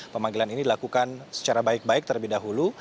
pemanggilan ini dilakukan secara baik baik terlebih dahulu